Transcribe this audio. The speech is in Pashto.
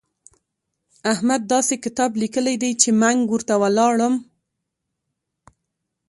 احمد داسې کتاب ليکلی دی چې منګ ورته ولاړم.